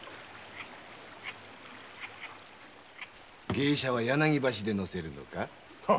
芸者は柳橋で乗せるのか？は。